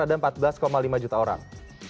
ada empat belas lima juta orang